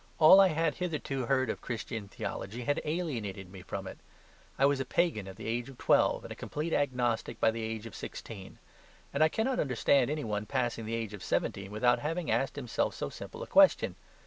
All I had hitherto heard of Christian theology had alienated me from it. I was a pagan at the age of twelve, and a complete agnostic by the age of sixteen; and I cannot understand any one passing the age of seventeen without having asked himself so simple a question.